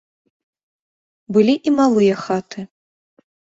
Былі і малыя хаты.